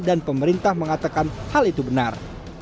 dan pemerintah mengatakan hal itu benar